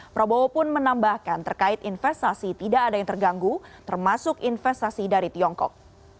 prabowo pun menambahkan terkait investasi tidak ada yang terganggu termasuk investasi dari tiongkok